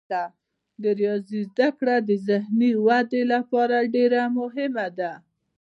د ریاضي زده کړه د ذهني ودې لپاره ډیره مهمه ده.